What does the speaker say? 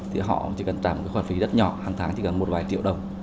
thì họ chỉ cần tải một khoản phí rất nhỏ hàng tháng chỉ cần một vài triệu đồng